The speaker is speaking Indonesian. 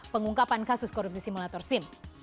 pengungkapan kasus korupsi simulator sim